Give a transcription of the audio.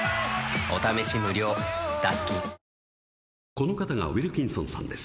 この方がウィルキンソンさんです。